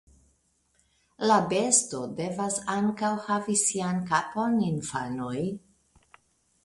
La besto devas ankaŭ havi sian kapon, infanoj!